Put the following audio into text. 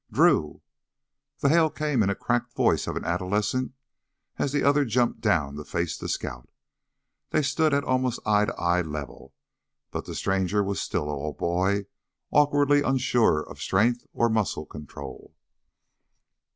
"Drew!" The hail came in the cracked voice of an adolescent as the other jumped down to face the scout. They stood at almost eye to eye level, but the stranger was still all boy, awkwardly unsure of strength or muscle control.